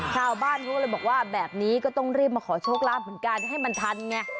ชาวบ้านเขาเลยบอกว่าแบบนี้ก็ต้องรีบมาขอโชคลาภเหมือนกันให้มันทันไง